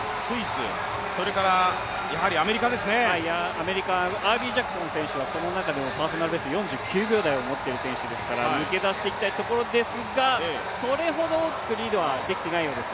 アメリカ、アービージャクソン選手がこの中でもパーソナルベスト４９秒台を持ってる選手ですから抜け出していきたいところですがそれほど大きくはリードできていないようです。